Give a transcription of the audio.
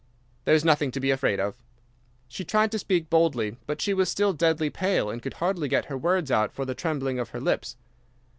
There is nothing to be afraid of." She tried to speak boldly, but she was still deadly pale and could hardly get her words out for the trembling of her lips.